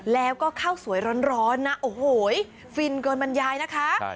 แล้วก็ข้าวสวยร้อนนะโอ้โหฟินเกินบรรยายนะคะ